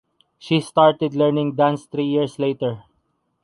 She started learning dance three years later.